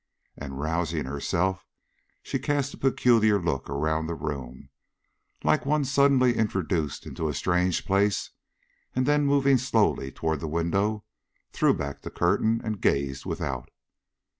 And rousing herself she cast a peculiar look about the room, like one suddenly introduced into a strange place, and then moving slowly toward the window, threw back the curtain and gazed without.